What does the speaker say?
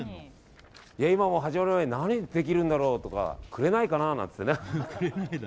今も始まる前何ができるんだろうとかくれないかななんて言ってね。